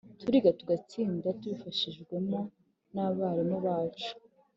turiga tugatsinda tubifashijwemo n'abarimu bacu.